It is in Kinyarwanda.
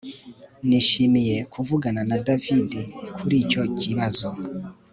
Nishimiye kuvugana na David kuri icyo kibazo